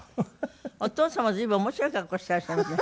お父様随分面白い格好をしていらっしゃいますね。